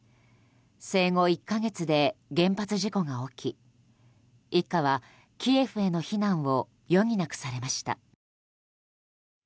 生後１か月で原発事故が起き一家は、キエフへの避難を余儀なくされました。